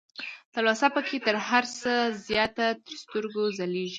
تلوسه پکې تر هر څه زياته تر سترګو ځلېږي